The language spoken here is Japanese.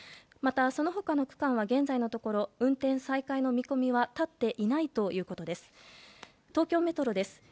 また、その他の区間は現在のところ運転再開の見込みは立っていないということです。